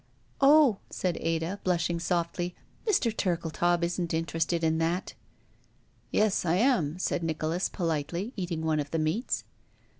"Oh," said Ada, blushing softly, "Mr. Turkic taub isn't interested in that." "Yes, I am," said Nicholas, politely, eating one of the meats.